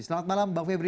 selamat malam bang febri